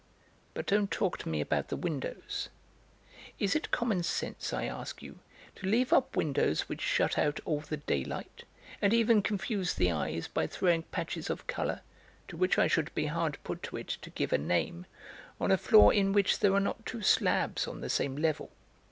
But don't talk to me about the windows. Is it common sense, I ask you, to leave up windows which shut out all the daylight, and even confuse the eyes by throwing patches of colour, to which I should be hard put to it to give a name, on a floor in which there are not two slabs on the same level?